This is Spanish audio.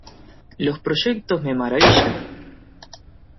Los proyectos me maravillan.